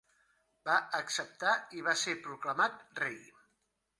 Va acceptar i va ser proclamat rei.